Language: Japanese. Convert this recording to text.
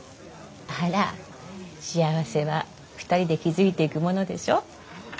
あら幸せは２人で築いていくものでしょ。